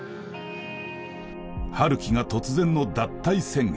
陽樹が突然の脱退宣言。